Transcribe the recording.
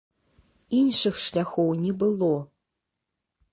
Іншых шляхоў не было.